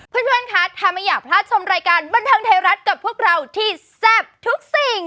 เพื่อนคะถ้าไม่อยากพลาดชมรายการบันเทิงไทยรัฐกับพวกเราที่แซ่บทุกสิ่ง